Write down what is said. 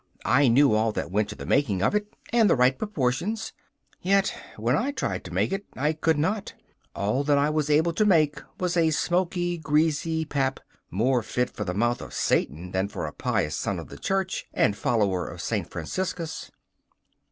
I knew all that went to the making of it, and the right proportions, yet when I tried to make it I could not. All that I was able to make was a smoky, greasy pap, more fit for the mouth of Satan than for a pious son of the Church and follower of Saint Franciscus.